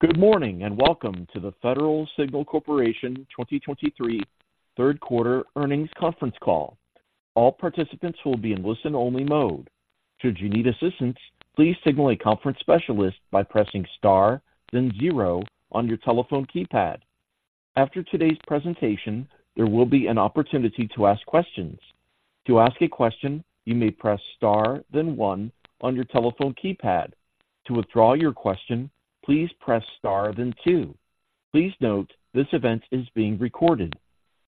Good morning, and welcome to the Federal Signal Corporation 2023 third quarter earnings conference call. All participants will be in listen-only mode. Should you need assistance, please signal a conference specialist by pressing star, then zero on your telephone keypad. After today's presentation, there will be an opportunity to ask questions. To ask a question, you may press star, then one on your telephone keypad. To withdraw your question, please press star, then two. Please note, this event is being recorded.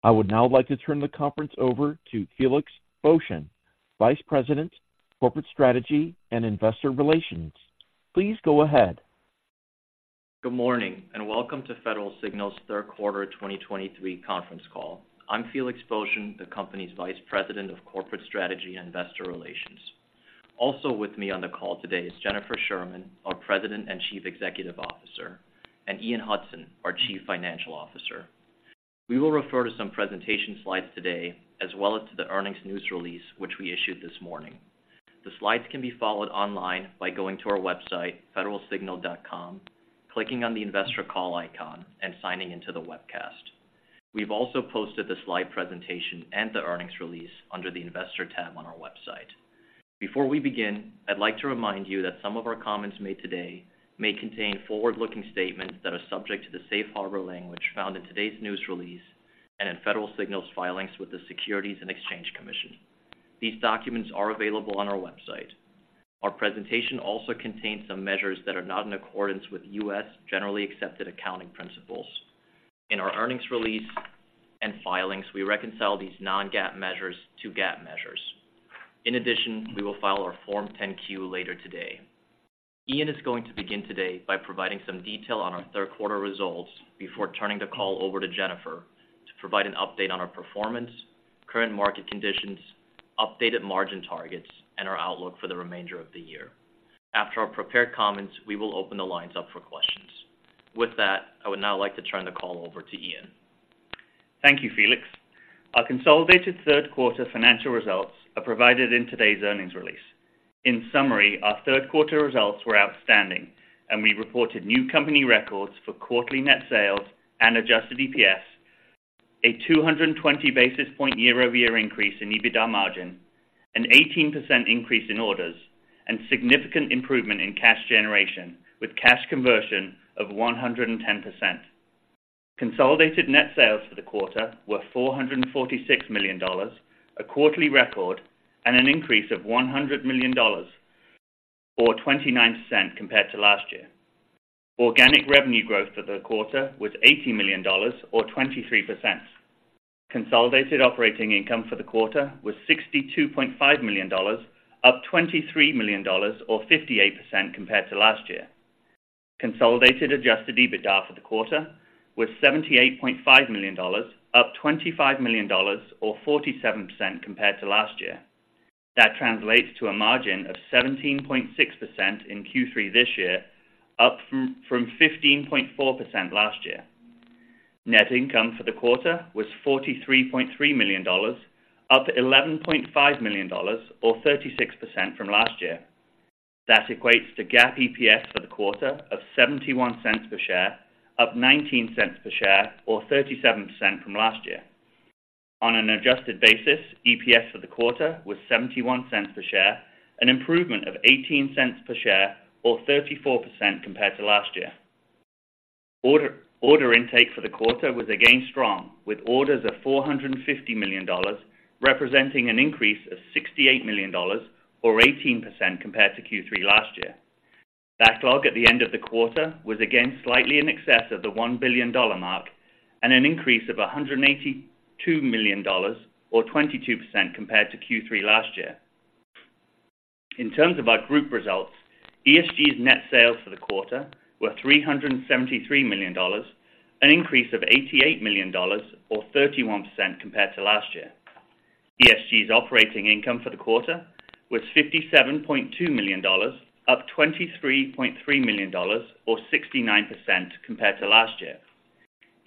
I would now like to turn the conference over to Felix Boeschen, Vice President, Corporate Strategy and Investor Relations. Please go ahead. Good morning, and welcome to Federal Signal's third quarter 2023 conference call. I'm Felix Boeschen, the company's Vice President of Corporate Strategy and Investor Relations. Also with me on the call today is Jennifer Sherman, our President and Chief Executive Officer, and Ian Hudson, our Chief Financial Officer. We will refer to some presentation slides today, as well as to the earnings news release, which we issued this morning. The slides can be followed online by going to our website, federalsignal.com, clicking on the Investor Call icon, and signing into the webcast. We've also posted the slide presentation and the earnings release under the Investor tab on our website. Before we begin, I'd like to remind you that some of our comments made today may contain forward-looking statements that are subject to the safe harbor language found in today's news release and in Federal Signal's filings with the Securities and Exchange Commission. These documents are available on our website. Our presentation also contains some measures that are not in accordance with U.S. generally accepted accounting principles. In our earnings release and filings, we reconcile these non-GAAP measures to GAAP measures. In addition, we will file our Form 10-Q later today. Ian is going to begin today by providing some detail on our third quarter results before turning the call over to Jennifer to provide an update on our performance, current market conditions, updated margin targets, and our outlook for the remainder of the year. After our prepared comments, we will open the lines up for questions. With that, I would now like to turn the call over to Ian. Thank you, Felix. Our consolidated third quarter financial results are provided in today's earnings release. In summary, our third quarter results were outstanding, and we reported new company records for quarterly net sales and adjusted EPS, a 220 basis point year-over-year increase in EBITDA margin, an 18% increase in orders, and significant improvement in cash generation, with cash conversion of 110%. Consolidated net sales for the quarter were $446 million, a quarterly record, and an increase of $100 million, or 29% compared to last year. Organic revenue growth for the quarter was $80 million, or 23%. Consolidated operating income for the quarter was $62.5 million, up $23 million, or 58% compared to last year. Consolidated Adjusted EBITDA for the quarter was $78.5 million, up $25 million, or 47% compared to last year. That translates to a margin of 17.6% in Q3 this year, up from fifteen point four percent last year. Net income for the quarter was $43.3 million, up $11.5 million, or 36% from last year. That equates to GAAP EPS for the quarter of $0.71 per share, up $0.19 per share, or 37% from last year. On an adjusted basis, EPS for the quarter was $0.71 per share, an improvement of $0.18 per share or 34% compared to last year. Order intake for the quarter was again strong, with orders of $450 million, representing an increase of $68 million or 18% compared to Q3 last year. Backlog at the end of the quarter was again slightly in excess of the $1 billion mark, and an increase of $182 million, or 22% compared to Q3 last year. In terms of our group results, ESG's net sales for the quarter were $373 million, an increase of $88 million or 31% compared to last year. ESG's operating income for the quarter was $57.2 million, up $23.3 million, or 69% compared to last year.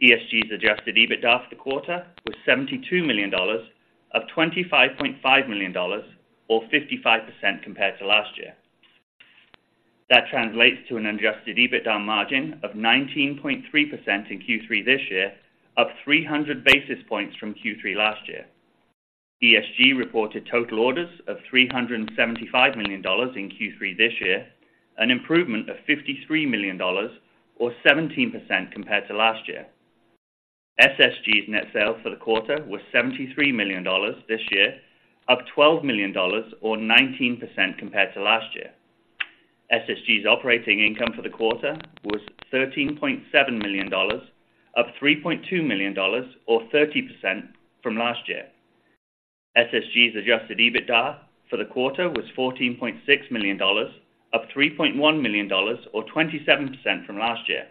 ESG's Adjusted EBITDA for the quarter was $72 million, up $25.5 million, or 55% compared to last year. That translates to an Adjusted EBITDA margin of 19.3% in Q3 this year, up 300 basis points from Q3 last year. ESG reported total orders of $375 million in Q3 this year, an improvement of $53 million, or 17% compared to last year. SSG's net sales for the quarter was $73 million this year, up $12 million or 19% compared to last year. SSG's operating income for the quarter was $13.7 million, up $3.2 million, or 30% from last year. SSG's Adjusted EBITDA for the quarter was $14.6 million, up $3.1 million, or 27% from last year.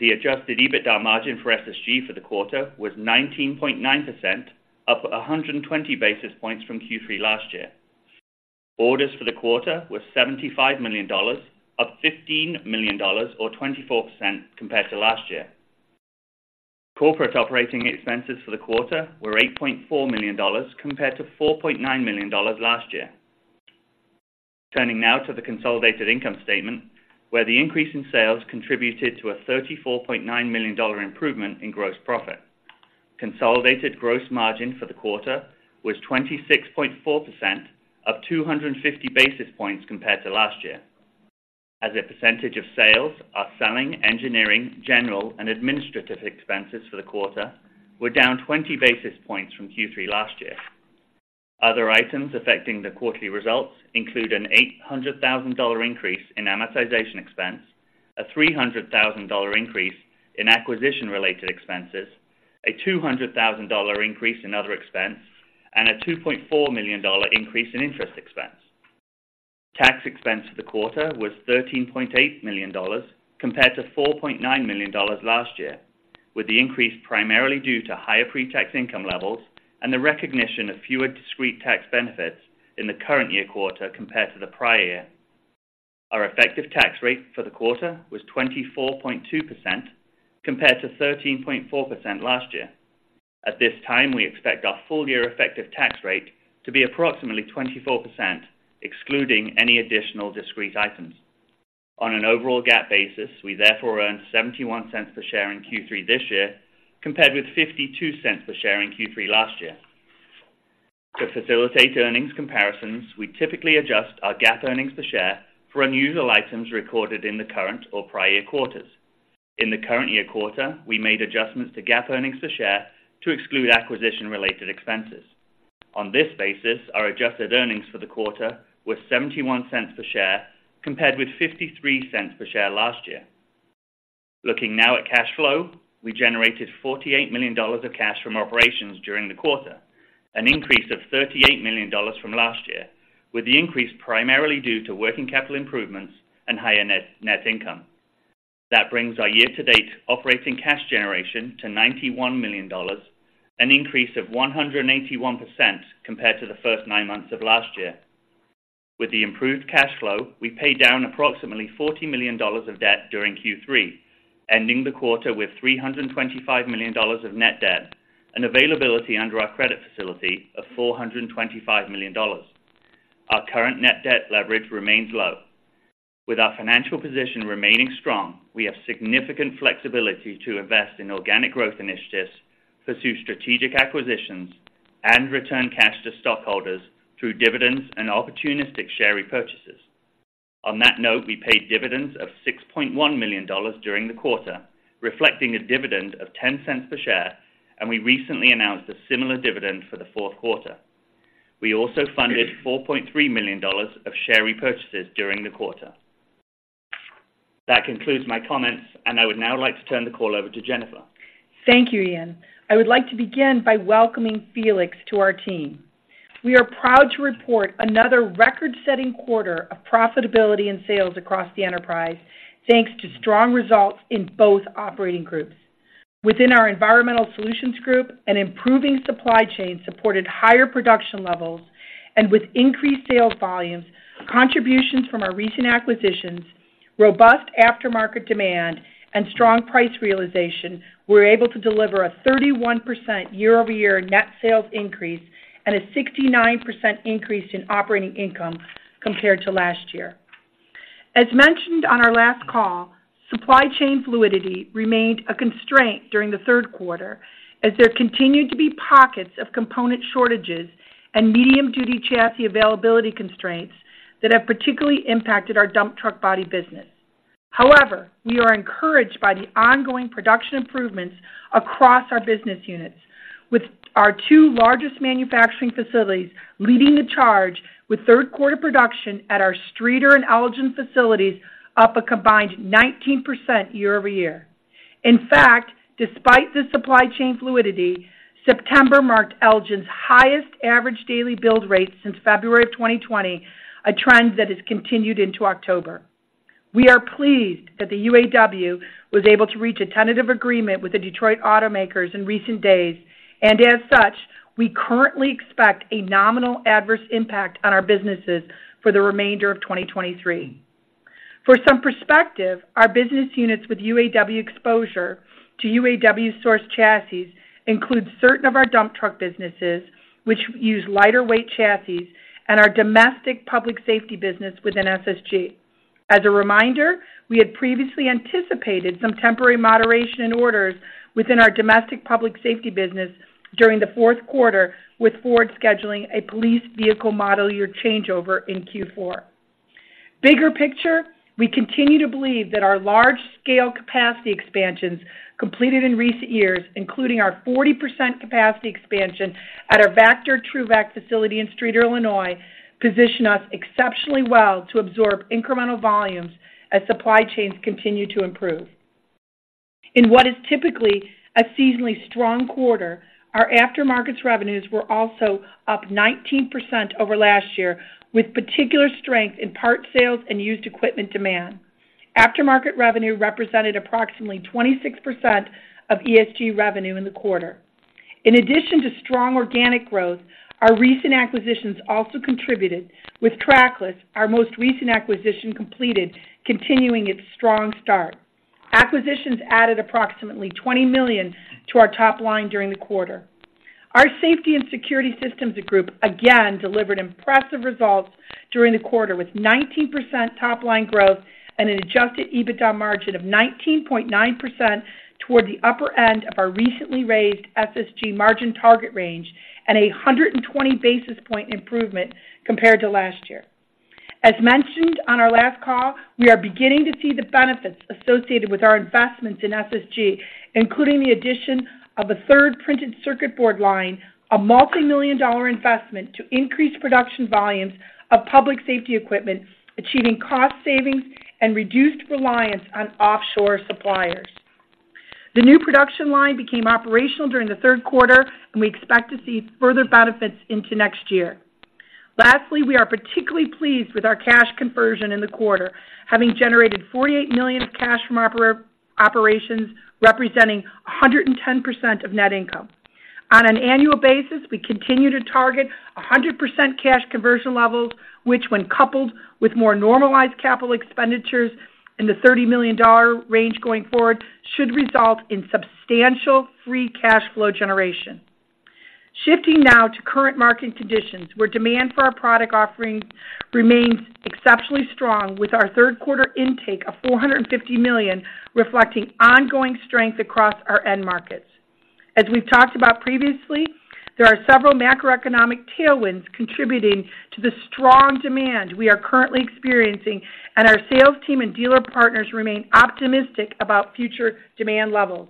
The Adjusted EBITDA margin for SSG for the quarter was 19.9%, up 120 basis points from Q3 last year. Orders for the quarter were $75 million, up $15 million, or 24% compared to last year. Corporate operating expenses for the quarter were $8.4 million, compared to $4.9 million last year. Turning now to the consolidated income statement, where the increase in sales contributed to a $34.9 million improvement in gross profit. Consolidated gross margin for the quarter was 26.4%, up 250 basis points compared to last year. As a percentage of sales, our selling, engineering, general and administrative expenses for the quarter were down 20 basis points from Q3 last year. Other items affecting the quarterly results include an $800,000 increase in amortization expense, a $300,000 increase in acquisition-related expenses, a $200,000 increase in other expense, and a $2.4 million increase in interest expense. Tax expense for the quarter was $13.8 million, compared to $4.9 million last year, with the increase primarily due to higher pre-tax income levels and the recognition of fewer discrete tax benefits in the current year quarter compared to the prior year. Our effective tax rate for the quarter was 24.2%, compared to 13.4% last year. At this time, we expect our full year effective tax rate to be approximately 24%, excluding any additional discrete items. On an overall GAAP basis, we therefore earned $0.71 per share in Q3 this year, compared with $0.52 per share in Q3 last year. To facilitate earnings comparisons, we typically adjust our GAAP earnings per share for unusual items recorded in the current or prior quarters. In the current year quarter, we made adjustments to GAAP earnings per share to exclude acquisition-related expenses. On this basis, our adjusted earnings for the quarter were $0.71 per share, compared with $0.53 per share last year. Looking now at cash flow, we generated $48 million of cash from operations during the quarter, an increase of $38 million from last year, with the increase primarily due to working capital improvements and higher net income. That brings our year-to-date operating cash generation to $91 million, an increase of 181% compared to the first nine months of last year. With the improved cash flow, we paid down approximately $40 million of debt during Q3, ending the quarter with $325 million of net debt and availability under our credit facility of $425 million. Our current net debt leverage remains low. With our financial position remaining strong, we have significant flexibility to invest in organic growth initiatives, pursue strategic acquisitions, and return cash to stockholders through dividends and opportunistic share repurchases. On that note, we paid dividends of $6.1 million during the quarter, reflecting a dividend of $0.10 per share, and we recently announced a similar dividend for the fourth quarter. We also funded $4.3 million of share repurchases during the quarter. That concludes my comments, and I would now like to turn the call over to Jennifer. Thank you, Ian. I would like to begin by welcoming Felix to our team. We are proud to report another record-setting quarter of profitability and sales across the enterprise, thanks to strong results in both operating groups. Within our Environmental Solutions Group, an improving supply chain supported higher production levels, and with increased sales volumes, contributions from our recent acquisitions, robust aftermarket demand, and strong price realization, we're able to deliver a 31% year-over-year net sales increase and a 69% increase in operating income compared to last year. As mentioned on our last call, supply chain fluidity remained a constraint during the third quarter, as there continued to be pockets of component shortages and medium-duty chassis availability constraints that have particularly impacted our dump truck body business. However, we are encouraged by the ongoing production improvements across our business units, with our two largest manufacturing facilities leading the charge with third quarter production at our Streator and Elgin facilities up a combined 19% year-over-year. In fact, despite the supply chain fluidity, September marked Elgin's highest average daily build rate since February of 2020, a trend that has continued into October. We are pleased that the UAW was able to reach a tentative agreement with the Detroit automakers in recent days, and as such, we currently expect a nominal adverse impact on our businesses for the remainder of 2023. For some perspective, our business units with UAW exposure to UAW source chassis include certain of our dump truck businesses, which use lighter weight chassis and our domestic public safety business within SSG. As a reminder, we had previously anticipated some temporary moderation in orders within our domestic public safety business during the fourth quarter, with Ford scheduling a police vehicle model year changeover in Q4. Bigger picture, we continue to believe that our large-scale capacity expansions completed in recent years, including our 40% capacity expansion at our Vactor TRUVAC facility in Streator, Illinois, position us exceptionally well to absorb incremental volumes as supply chains continue to improve. In what is typically a seasonally strong quarter, our aftermarket's revenues were also up 19% over last year, with particular strength in parts sales and used equipment demand. Aftermarket revenue represented approximately 26% of ESG revenue in the quarter. In addition to strong organic growth, our recent acquisitions also contributed with Trackless, our most recent acquisition completed, continuing its strong start. Acquisitions added approximately $20 million to our top line during the quarter. Our Safety and Security Systems Group again delivered impressive results during the quarter, with 19% top-line growth and an Adjusted EBITDA margin of 19.9% toward the upper end of our recently raised SSG margin target range, and a 120 basis point improvement compared to last year. As mentioned on our last call, we are beginning to see the benefits associated with our investments in SSG, including the addition of a third printed circuit board line, a multimillion dollar investment to increase production volumes of public safety equipment, achieving cost savings and reduced reliance on offshore suppliers. The new production line became operational during the third quarter, and we expect to see further benefits into next year. Lastly, we are particularly pleased with our cash conversion in the quarter, having generated $48 million of cash from operations, representing 110% of net income. On an annual basis, we continue to target 100% cash conversion levels, which, when coupled with more normalized capital expenditures in the $30 million range going forward, should result in substantial free cash flow generation. Shifting now to current market conditions, where demand for our product offerings remains exceptionally strong, with our third quarter intake of $450 million, reflecting ongoing strength across our end markets. As we've talked about previously, there are several macroeconomic tailwinds contributing to the strong demand we are currently experiencing, and our sales team and dealer partners remain optimistic about future demand levels.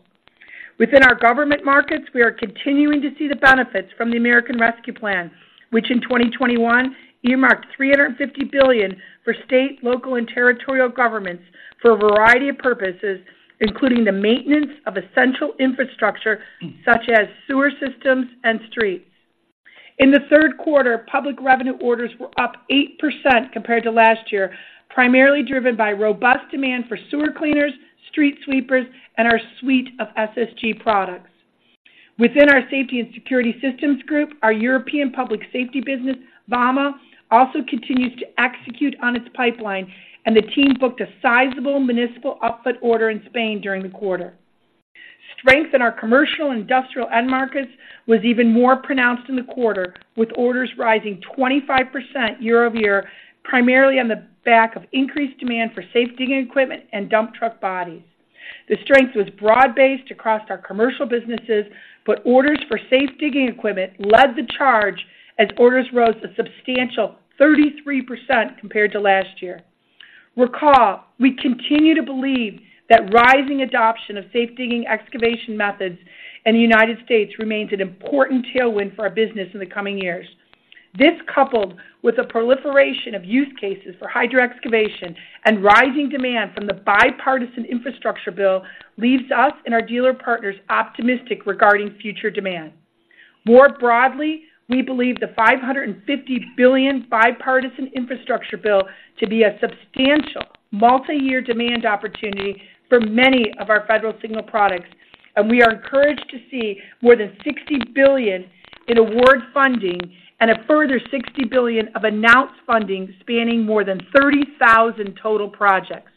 Within our government markets, we are continuing to see the benefits from the American Rescue Plan, which in 2021 earmarked $350 billion for state, local, and territorial governments for a variety of purposes, including the maintenance of essential infrastructure such as sewer systems and streets. In the third quarter, public revenue orders were up 8% compared to last year, primarily driven by robust demand for sewer cleaners, street sweepers, and our suite of SSG products. Within our Safety and Security Systems group, our European public safety business, Vama, also continues to execute on its pipeline, and the team booked a sizable municipal output order in Spain during the quarter. Strength in our commercial and industrial end markets was even more pronounced in the quarter, with orders rising 25% year-over-year, primarily on the back of increased demand for safe digging equipment and dump truck bodies. The strength was broad-based across our commercial businesses, but orders for safe digging equipment led the charge as orders rose a substantial 33% compared to last year. Recall, we continue to believe that rising adoption of safe digging excavation methods in the United States remains an important tailwind for our business in the coming years. This, coupled with the proliferation of use cases for hydroexcavation and rising demand from the Bipartisan Infrastructure Bill, leaves us and our dealer partners optimistic regarding future demand. More broadly, we believe the $550 billion bipartisan infrastructure bill to be a substantial multi-year demand opportunity for many of our Federal Signal products, and we are encouraged to see more than $60 billion in award funding and a further $60 billion of announced funding spanning more than 30,000 total projects.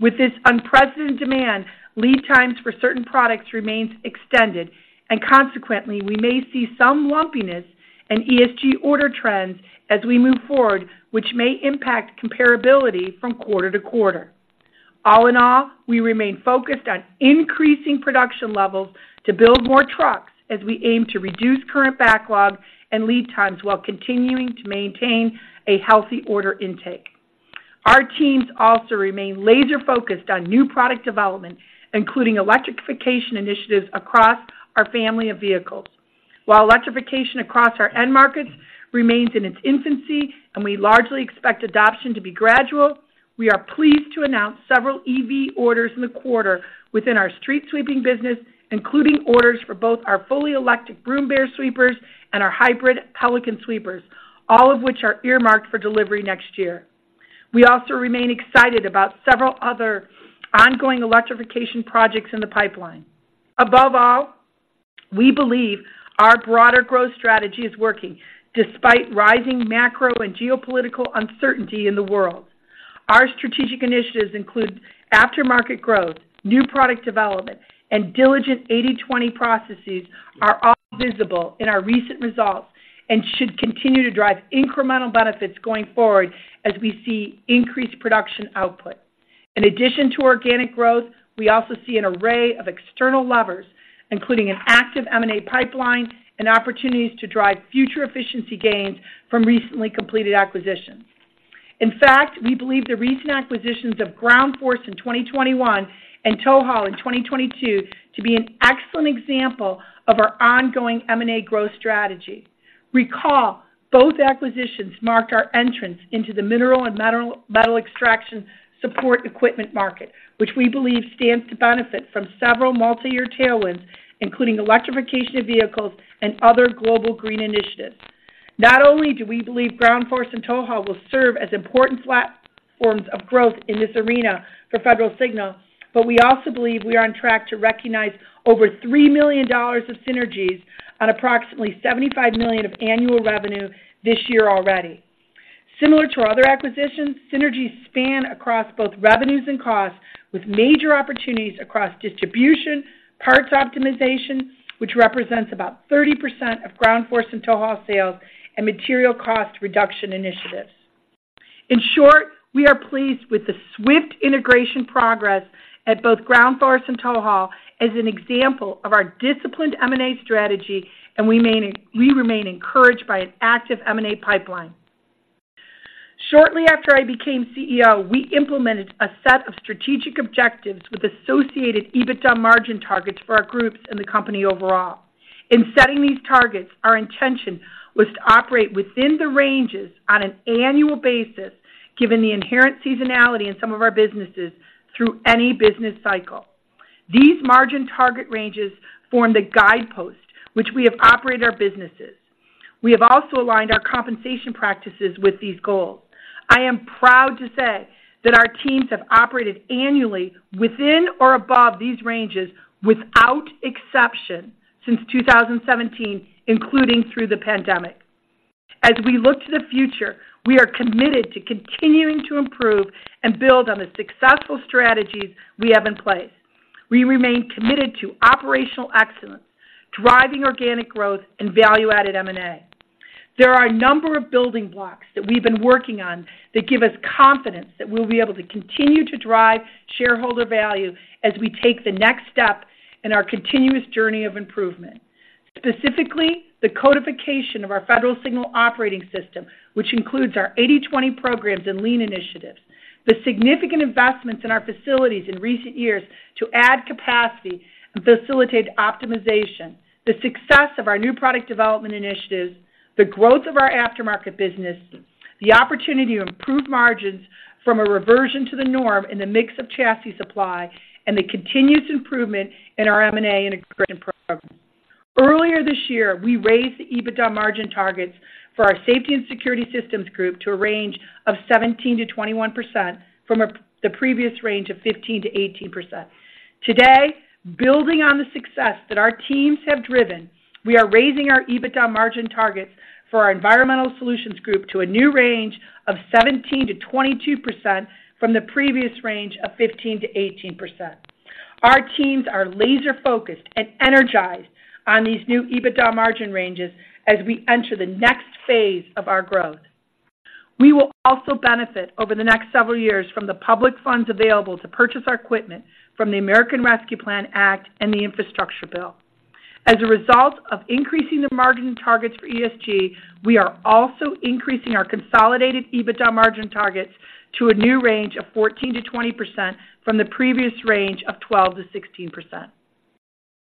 With this unprecedented demand, lead times for certain products remains extended, and consequently, we may see some lumpiness in ESG order trends as we move forward, which may impact comparability from quarter to quarter. All in all, we remain focused on increasing production levels to build more trucks as we aim to reduce current backlog and lead times while continuing to maintain a healthy order intake. Our teams also remain laser-focused on new product development, including electrification initiatives across our family of vehicles. While electrification across our end markets remains in its infancy and we largely expect adoption to be gradual, we are pleased to announce several EV orders in the quarter within our street sweeping business, including orders for both our fully electric Broom Bear sweepers and our hybrid Pelican sweepers, all of which are earmarked for delivery next year. We also remain excited about several other ongoing electrification projects in the pipeline. Above all, we believe our broader growth strategy is working despite rising macro and geopolitical uncertainty in the world. Our strategic initiatives include aftermarket growth, new product development, and diligent 80/20 processes are all visible in our recent results and should continue to drive incremental benefits going forward as we see increased production output. In addition to organic growth, we also see an array of external levers, including an active M&A pipeline and opportunities to drive future efficiency gains from recently completed acquisitions. In fact, we believe the recent acquisitions of Ground Force in 2021 and TowHaul in 2022 to be an excellent example of our ongoing M&A growth strategy. Recall, both acquisitions marked our entrance into the mineral and metal extraction support equipment market, which we believe stands to benefit from several multi-year tailwinds, including electrification of vehicles and other global green initiatives. Not only do we believe Ground Force and TowHaul will serve as important platforms of growth in this arena for Federal Signal, but we also believe we are on track to recognize over $3 million of synergies on approximately $75 million of annual revenue this year already. Similar to our other acquisitions, synergies span across both revenues and costs, with major opportunities across distribution, parts optimization, which represents about 30% of Ground Force and TowHaul sales, and material cost reduction initiatives. In short, we are pleased with the swift integration progress at both Ground Force and TowHaul as an example of our disciplined M&A strategy, and we remain encouraged by an active M&A pipeline. Shortly after I became CEO, we implemented a set of strategic objectives with associated EBITDA margin targets for our groups and the company overall. In setting these targets, our intention was to operate within the ranges on an annual basis, given the inherent seasonality in some of our businesses through any business cycle. These margin target ranges form the guidepost, which we have operated our businesses. We have also aligned our compensation practices with these goals. I am proud to say that our teams have operated annually within or above these ranges, without exception, since 2017, including through the pandemic. As we look to the future, we are committed to continuing to improve and build on the successful strategies we have in place. We remain committed to operational excellence, driving organic growth and value-added M&A. There are a number of building blocks that we've been working on that give us confidence that we'll be able to continue to drive shareholder value as we take the next step in our continuous journey of improvement. Specifically, the codification of our Federal Signal Operating System, which includes our 80/20 programs and lean initiatives, the significant investments in our facilities in recent years to add capacity and facilitate optimization, the success of our new product development initiatives, the growth of our aftermarket business, the opportunity to improve margins from a reversion to the norm in the mix of chassis supply, and the continuous improvement in our M&A and integration program. Earlier this year, we raised the EBITDA margin targets for our Safety and Security Systems Group to a range of 17%-21% from the previous range of 15%-18%. Today, building on the success that our teams have driven, we are raising our EBITDA margin targets for our Environmental Solutions Group to a new range of 17%-22% from the previous range of 15%-18%. Our teams are laser-focused and energized on these new EBITDA margin ranges as we enter the next phase of our growth. We will also benefit over the next several years from the public funds available to purchase our equipment from the American Rescue Plan Act and the Infrastructure Bill. As a result of increasing the margin targets for ESG, we are also increasing our consolidated EBITDA margin targets to a new range of 14%-20% from the previous range of 12%-16%.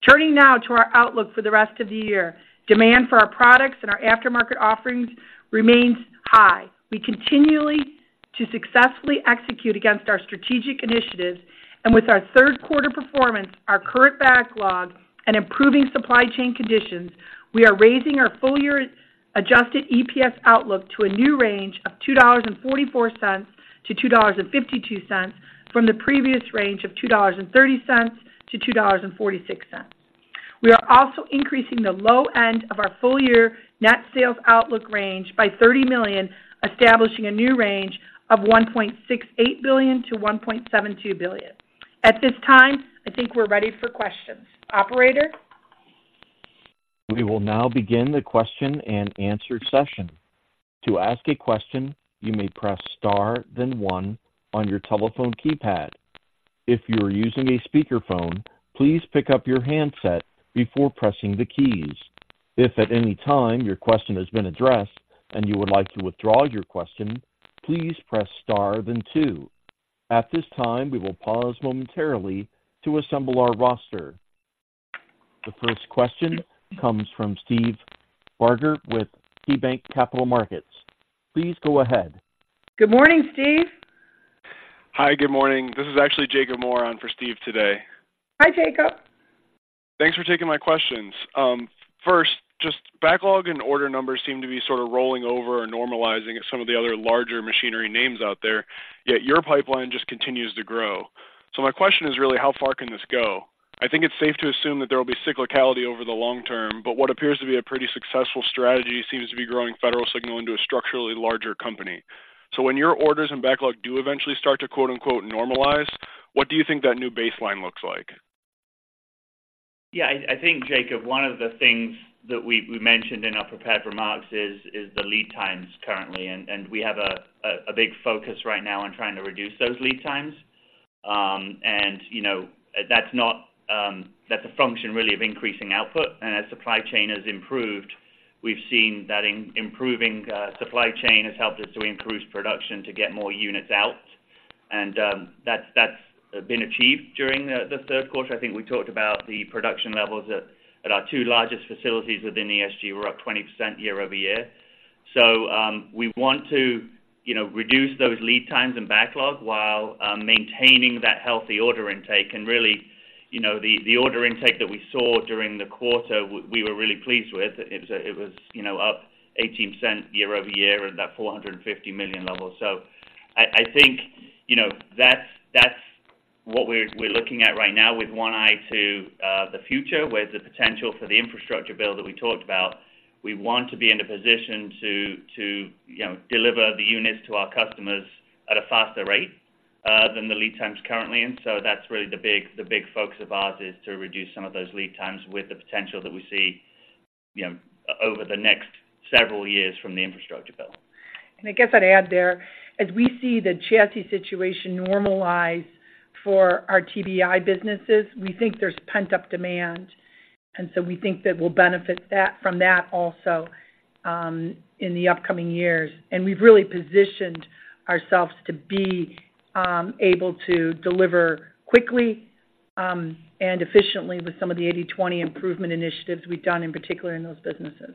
Turning now to our outlook for the rest of the year. Demand for our products and our aftermarket offerings remains high. We continue to successfully execute against our strategic initiatives, and with our third quarter performance, our current backlog, and improving supply chain conditions, we are raising our full-year adjusted EPS outlook to a new range of $2.44-$2.52, from the previous range of $2.30-$2.46. We are also increasing the low end of our full-year net sales outlook range by $30 million, establishing a new range of $1.68 billion-$1.72 billion. At this time, I think we're ready for questions. Operator? We will now begin the question-and-answer session. To ask a question, you may press star, then one on your telephone keypad. If you are using a speakerphone, please pick up your handset before pressing the keys. If at any time your question has been addressed and you would like to withdraw your question, please press star then two. At this time, we will pause momentarily to assemble our roster. The first question comes from Steve Barger with KeyBanc Capital Markets. Please go ahead. Good morning, Steve. Hi, good morning. This is actually Jacob Moore on for Steve today. Hi, Jacob. Thanks for taking my questions. First, just backlog and order numbers seem to be sort of rolling over or normalizing at some of the other larger machinery names out there, yet your pipeline just continues to grow. So my question is really, how far can this go? I think it's safe to assume that there will be cyclicality over the long term, but what appears to be a pretty successful strategy seems to be growing Federal Signal into a structurally larger company. So when your orders and backlog do eventually start to quote-unquote, normalize, what do you think that new baseline looks like? Yeah, I think, Jacob, one of the things that we mentioned in our prepared remarks is the lead times currently, and we have a big focus right now on trying to reduce those lead times. And, you know, that's not... That's a function really of increasing output. And as supply chain has improved, we've seen that improving supply chain has helped us to increase production to get more units out. And, that's been achieved during the third quarter. I think we talked about the production levels at our two largest facilities within ESG were up 20% year-over-year. So, we want to, you know, reduce those lead times and backlog while maintaining that healthy order intake and really-... You know, the order intake that we saw during the quarter, we were really pleased with. It was, you know, up 18% year-over-year at that $450 million level. So I think, you know, that's what we're looking at right now with one eye to the future, where the potential for the infrastructure bill that we talked about, we want to be in a position to, you know, deliver the units to our customers at a faster rate than the lead times currently in. So that's really the big focus of ours, is to reduce some of those lead times with the potential that we see, you know, over the next several years from the infrastructure bill. I guess I'd add there, as we see the chassis situation normalize for our TBEI businesses, we think there's pent-up demand, and so we think that we'll benefit from that also, in the upcoming years. We've really positioned ourselves to be able to deliver quickly and efficiently with some of the 80/20 improvement initiatives we've done, in particular in those businesses.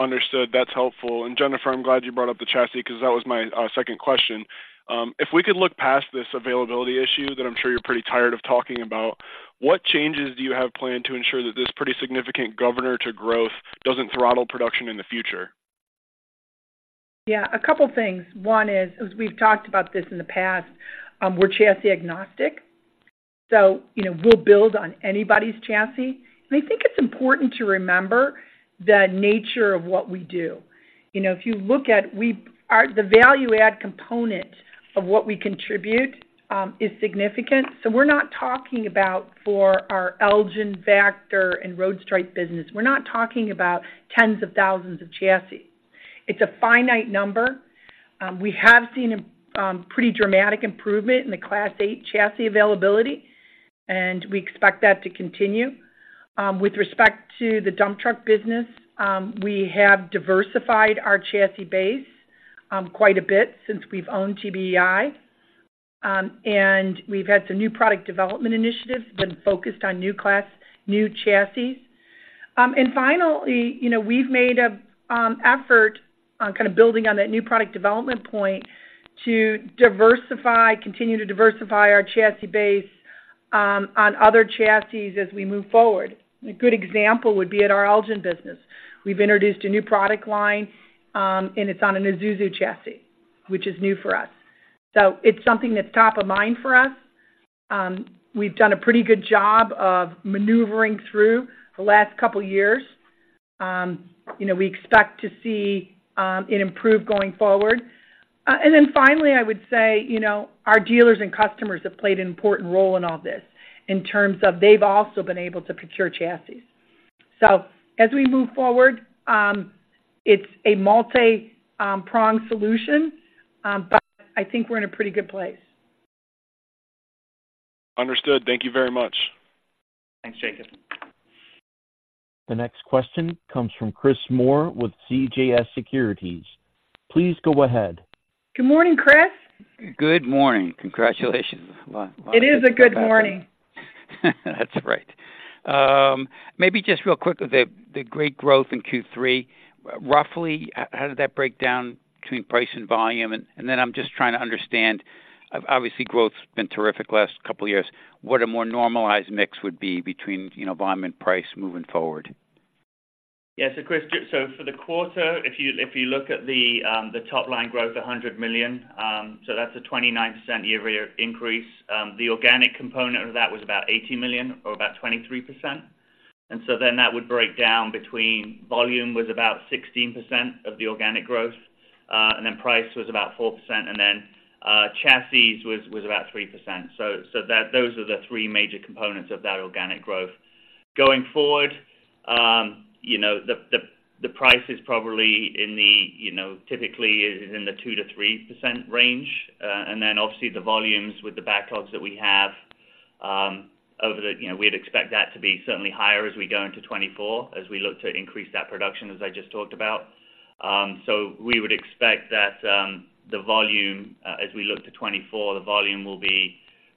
Understood. That's helpful. And Jennifer, I'm glad you brought up the chassis, because that was my second question. If we could look past this availability issue that I'm sure you're pretty tired of talking about, what changes do you have planned to ensure that this pretty significant governor to growth doesn't throttle production in the future? Yeah, a couple things. One is, as we've talked about this in the past, we're chassis agnostic, so, you know, we'll build on anybody's chassis. And I think it's important to remember the nature of what we do. You know, if you look at our value-add component of what we contribute, is significant. So we're not talking about for our Elgin, Vactor, and road striping business, we're not talking about tens of thousands of chassis. It's a finite number. We have seen a pretty dramatic improvement in the Class 8 chassis availability, and we expect that to continue. With respect to the dump truck business, we have diversified our chassis base quite a bit since we've owned TBEI. And we've had some new product development initiatives been focused on new class, new chassis. And finally, you know, we've made an effort on kind of building on that new product development point to diversify, continue to diversify our chassis base on other chassis as we move forward. A good example would be at our Elgin business. We've introduced a new product line, and it's on an Isuzu chassis, which is new for us. So it's something that's top of mind for us. We've done a pretty good job of maneuvering through the last couple of years. You know, we expect to see it improve going forward. And then finally, I would say, you know, our dealers and customers have played an important role in all this in terms of they've also been able to procure chassis. As we move forward, it's a multi-pronged solution, but I think we're in a pretty good place. Understood. Thank you very much. Thanks, Jacob. The next question comes from Chris Moore with CJS Securities. Please go ahead. Good morning, Chris. Good morning. Congratulations. It is a good morning. That's right. Maybe just real quickly, the great growth in Q3, roughly, how did that break down between price and volume? And then I'm just trying to understand, obviously, growth's been terrific the last couple of years. What a more normalized mix would be between, you know, volume and price moving forward? Yeah. So, Chris, so for the quarter, if you, if you look at the, the top-line growth, $100 million, so that's a 29% year-over-year increase. The organic component of that was about $80 million or about 23%. And so then that would break down between volume, was about 16% of the organic growth, and then price was about 4%, and then, chassis was, was about 3%. So, so that-- those are the three major components of that organic growth. Going forward, you know, the price is probably in the, you know, typically is in the 2%-3% range. And then obviously the volumes with the backlogs that we have, over the, you know, we'd expect that to be certainly higher as we go into 2024, as we look to increase that production, as I just talked about. So we would expect that, the volume, as we look to 2024, the volume will be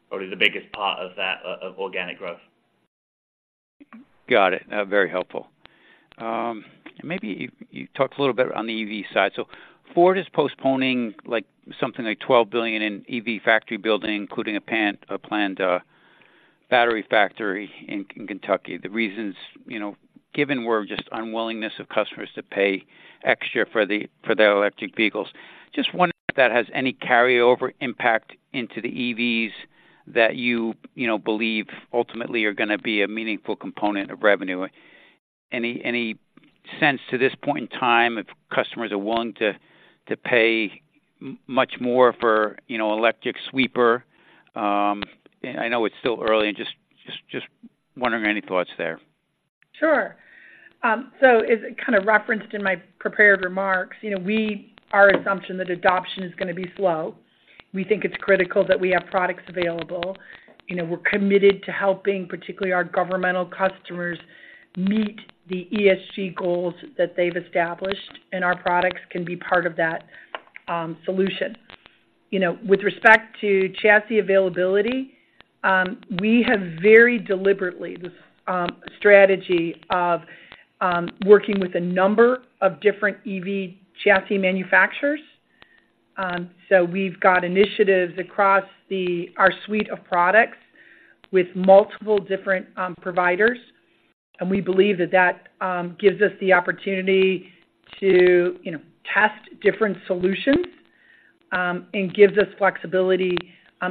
probably the biggest part of that, of organic growth. Got it. Very helpful. Maybe you talk a little bit on the EV side. So Ford is postponing like something like $12 billion in EV factory building, including a planned battery factory in Kentucky. The reasons, you know, given were just unwillingness of customers to pay extra for the, for their electric vehicles. Just wondering if that has any carryover impact into the EVs that you, you know, believe ultimately are going to be a meaningful component of revenue. Any sense to this point in time, if customers are willing to pay much more for, you know, electric sweeper? I know it's still early. Just wondering, any thoughts there? Sure. So as I kind of referenced in my prepared remarks, you know, our assumption that adoption is going to be slow. We think it's critical that we have products available. You know, we're committed to helping, particularly our governmental customers, meet the ESG goals that they've established, and our products can be part of that solution. You know, with respect to chassis availability, we have very deliberately this strategy of working with a number of different EV chassis manufacturers. So we've got initiatives across our suite of products with multiple different providers, and we believe that that gives us the opportunity to, you know, test different solutions, and gives us flexibility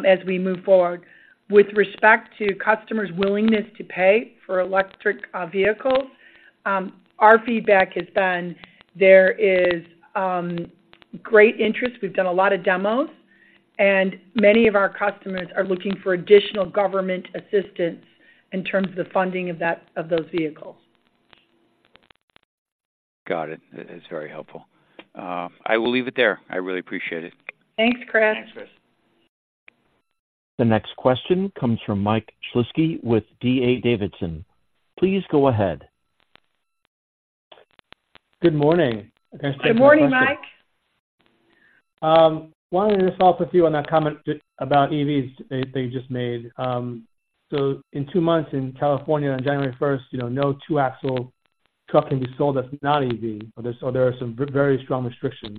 as we move forward. With respect to customers' willingness to pay for electric vehicles, our feedback has been there is great interest. We've done a lot of demos, and many of our customers are looking for additional government assistance in terms of the funding of that- of those vehicles. Got it. That is very helpful. I will leave it there. I really appreciate it. Thanks, Chris. Thanks, Chris. The next question comes from Mike Shlisky with D.A. Davidson. Please go ahead. Good morning. Good morning, Mike. Wanted to just follow up with you on that comment about EVs that you just made. So in two months in California, on January 1st, you know, no two-axle truck can be sold that's not EV. So there are some very strong restrictions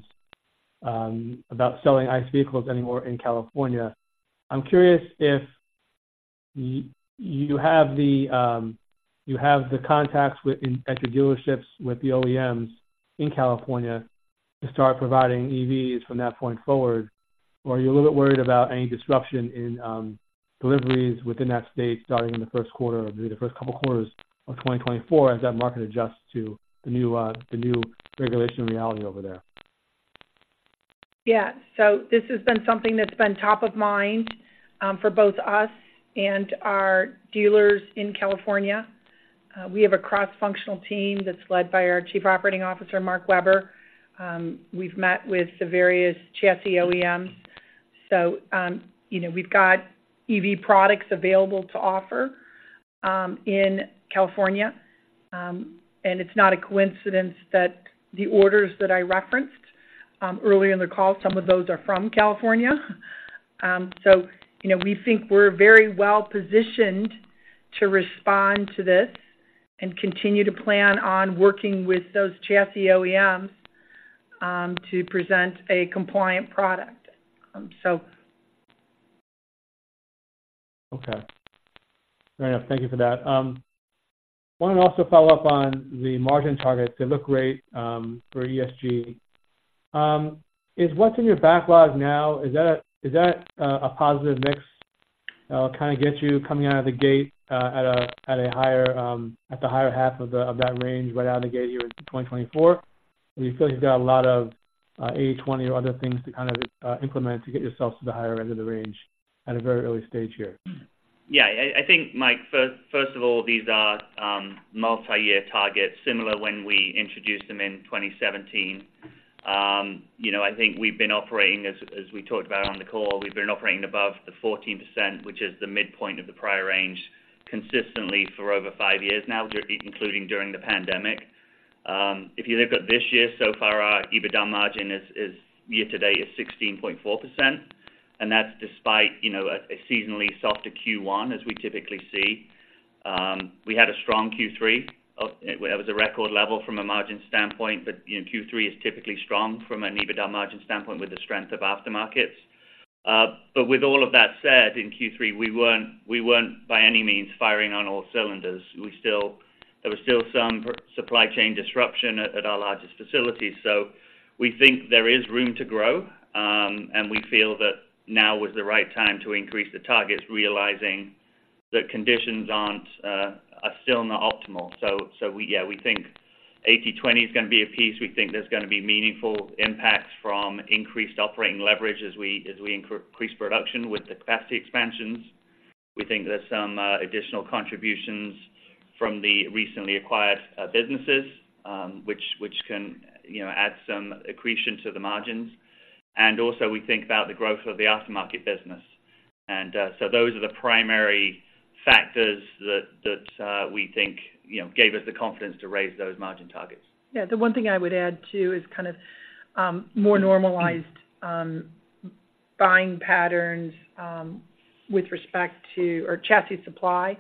about selling ICE vehicles anymore in California. I'm curious if you have the, you have the contacts with, at your dealerships, with the OEMs in California to start providing EVs from that point forward, or are you a little bit worried about any disruption in deliveries within that state starting in the first quarter, or maybe the first couple of quarters of 2024, as that market adjusts to the new, the new regulation reality over there? Yeah. So this has been something that's been top of mind, for both us and our dealers in California. We have a cross-functional team that's led by our Chief Operating Officer, Mark Weber. We've met with the various chassis OEMs. So, you know, we've got EV products available to offer, in California. And it's not a coincidence that the orders that I referenced, earlier in the call, some of those are from California. So, you know, we think we're very well-positioned to respond to this and continue to plan on working with those chassis OEMs, to present a compliant product, so. Okay. Fair enough. Thank you for that. I want to also follow up on the margin targets. They look great for ESG. Is what's in your backlog now a positive mix that will kind of get you coming out of the gate at the higher half of that range right out of the gate here in 2024? Or do you feel like you've got a lot of 80/20 or other things to kind of implement to get yourself to the higher end of the range at a very early stage here? Yeah. I think, Mike, first of all, these are multi-year targets, similar when we introduced them in 2017. You know, I think we've been operating, as we talked about on the call, we've been operating above the 14%, which is the midpoint of the prior range, consistently for over 5 years now, including during the pandemic. If you look at this year, so far, our EBITDA margin is year to date 16.4%, and that's despite, you know, a seasonally softer Q1, as we typically see. We had a strong Q3. It was a record level from a margin standpoint, but, you know, Q3 is typically strong from an EBITDA margin standpoint with the strength of aftermarket. But with all of that said, in Q3, we weren't, we weren't by any means, firing on all cylinders. We still, there was still some supply chain disruption at, at our largest facilities, so we think there is room to grow. And we feel that now is the right time to increase the targets, realizing the conditions aren't, are still not optimal. So, so we yeah, we think 80/20 is going to be a piece. We think there's going to be meaningful impacts from increased operating leverage as we, as we increase production with the capacity expansions. We think there's some additional contributions from the recently acquired businesses, which, which can, you know, add some accretion to the margins. And also, we think about the growth of the aftermarket business. So those are the primary factors that we think, you know, gave us the confidence to raise those margin targets. Yeah, the one thing I would add, too, is kind of more normalized buying patterns with respect to our chassis supply,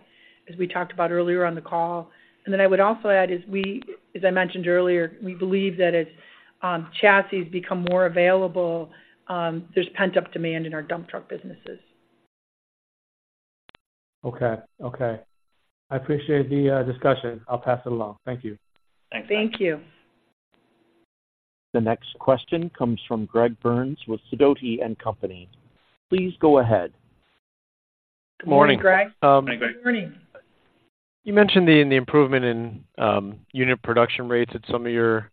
as we talked about earlier on the call. And then I would also add is, as I mentioned earlier, we believe that as chassis become more available, there's pent-up demand in our dump truck businesses. Okay. Okay. I appreciate the discussion. I'll pass it along. Thank you. Thanks. Thank you. The next question comes from Greg Burns with Sidoti & Company. Please go ahead. Good morning, Greg. Good morning. Hi, Greg. You mentioned the improvement in unit production rates at some of your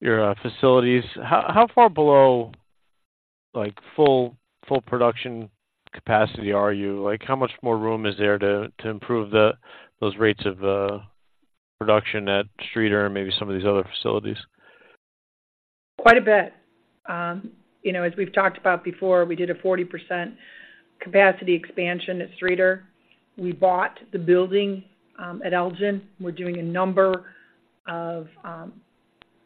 facilities. How far below, like, full production capacity are you? Like, how much more room is there to improve those rates of production at Streator and maybe some of these other facilities? Quite a bit. You know, as we've talked about before, we did a 40% capacity expansion at Streator. We bought the building at Elgin. We're doing a number of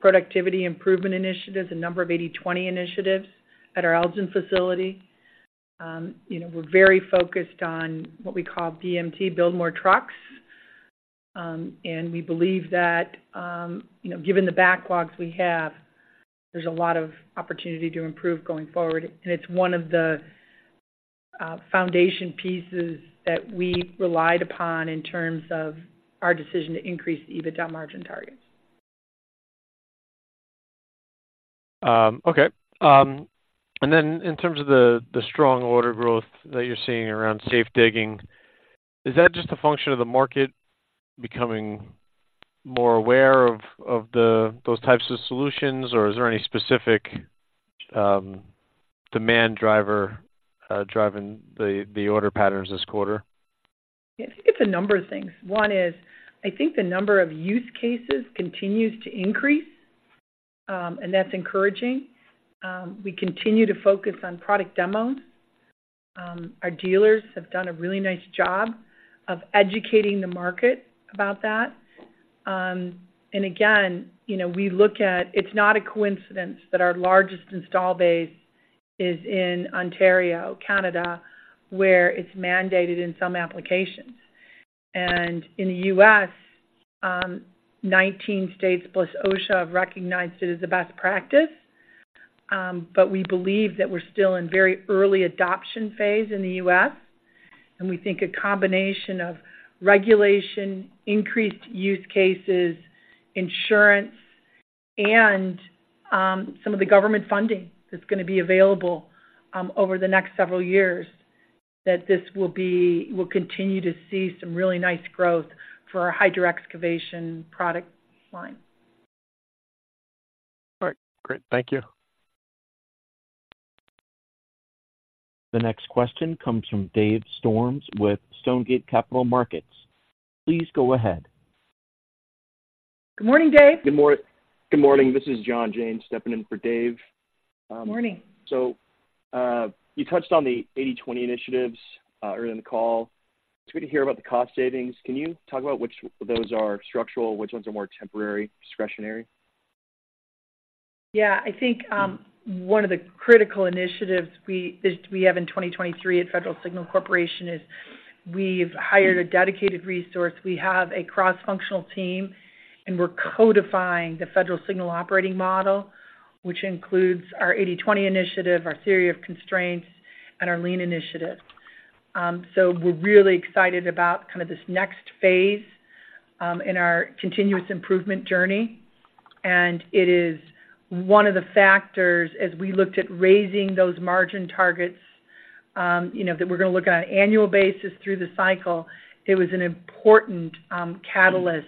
productivity improvement initiatives, a number of 80/20 initiatives at our Elgin facility. You know, we're very focused on what we call BMT, Build More Trucks. And we believe that, you know, given the backlogs we have, there's a lot of opportunity to improve going forward, and it's one of the foundation pieces that we relied upon in terms of our decision to increase the EBITDA margin targets. Okay. And then in terms of the strong order growth that you're seeing around safe digging, is that just a function of the market becoming more aware of those types of solutions? Or is there any specific demand driver driving the order patterns this quarter? Yeah, I think it's a number of things. One is, I think the number of use cases continues to increase, and that's encouraging. We continue to focus on product demos. Our dealers have done a really nice job of educating the market about that. And again, you know, we look at. It's not a coincidence that our largest install base is in Ontario, Canada, where it's mandated in some applications. And in the U.S., 19 states, plus OSHA, have recognized it as a best practice. But we believe that we're still in very early adoption phase in the U.S., and we think a combination of regulation, increased use cases, insurance, and some of the government funding that's gonna be available over the next several years, that this will be, we'll continue to see some really nice growth for our hydro excavation product line. All right, great. Thank you. The next question comes from Dave Storms with Stonegate Capital Markets. Please go ahead. Good morning, Dave. Good morning. This is John James stepping in for Dave. Morning. You touched on the 80/20 initiatives earlier in the call. It's good to hear about the cost savings. Can you talk about which those are structural, which ones are more temporary, discretionary? Yeah. I think one of the critical initiatives we, that we have in 2023 at Federal Signal Corporation is we've hired a dedicated resource. We have a cross-functional team, and we're codifying the Federal Signal operating model, which includes our 80/20 initiative, our theory of constraints, and our lean initiative. So we're really excited about kind of this next phase in our continuous improvement journey, and it is one of the factors as we looked at raising those margin targets you know that we're gonna look at on an annual basis through the cycle. It was an important catalyst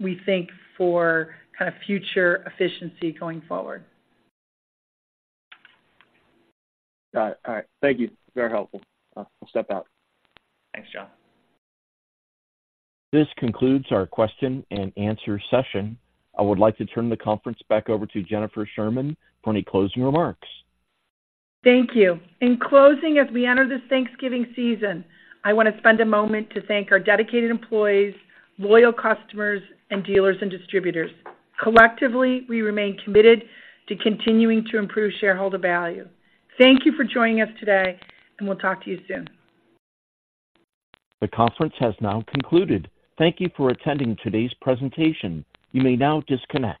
we think for kind of future efficiency going forward. Got it. All right. Thank you. Very helpful. I'll step out. Thanks, John. This concludes our question and answer session. I would like to turn the conference back over to Jennifer Sherman for any closing remarks. Thank you. In closing, as we enter this Thanksgiving season, I want to spend a moment to thank our dedicated employees, loyal customers, and dealers and distributors. Collectively, we remain committed to continuing to improve shareholder value. Thank you for joining us today, and we'll talk to you soon. The conference has now concluded. Thank you for attending today's presentation. You may now disconnect.